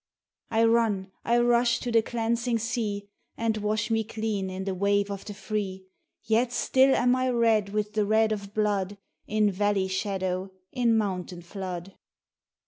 "I run, I rush to the cleansing sea And wash me clean in the wave of the free, Yet still am I red with the red of blood In valley shadow, in mountain flood.